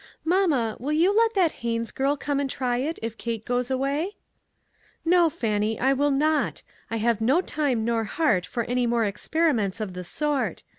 " Mamma, will you let that Haines girl come and try it, if Kate goes away ?" "No, Fannie, I will not. I have no time nor heart for any more experiments of the sort.